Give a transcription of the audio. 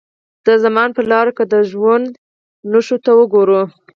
د زمان پر لارو که د ژوند نښو ته وګورو.